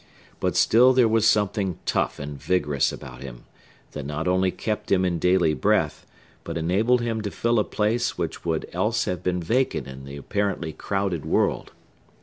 But still there was something tough and vigorous about him, that not only kept him in daily breath, but enabled him to fill a place which would else have been vacant in the apparently crowded world.